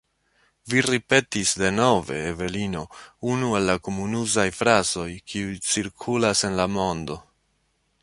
Vi ripetis denove, Evelino, unu el la komunuzaj frazoj, kiuj cirkulas en la mondo.